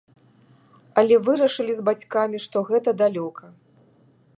Але вырашылі з бацькамі, што гэта далёка.